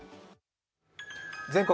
「全国！